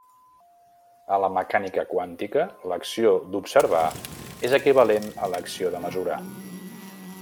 A la mecànica quàntica, l'acció d'observar és equivalent a l'acció de mesurar.